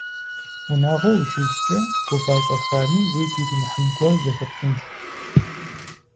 Унагъуэ ущискӏэ, гува щӏэхами уигу иримыхьын гуэр зэхэпхынщ.